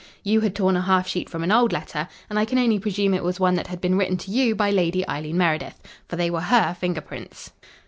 You had torn a half sheet from an old letter, and I can only presume it was one that had been written to you by Lady Eileen Meredith. For they were her finger prints.